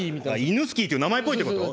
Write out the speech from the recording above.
「イヌスキー」って名前っぽいってこと？